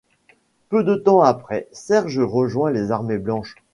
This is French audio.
Peu de temps après, Serge rejoint les armées blanches.